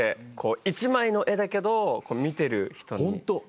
一枚の絵だけど見てる人によって。